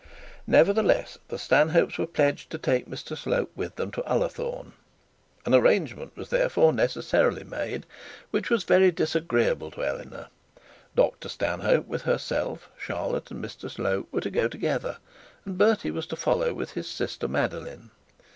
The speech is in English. Nevertheless the Stanhopes were pledged to take Mr Slope with them to Ullathorne. An arrangement was therefore necessarily made, which was very disagreeable to Eleanor. Dr Stanhope, with herself, Charlotte, and Mr Slope, were to go together, and Bertie was to follow with his sister Madeline.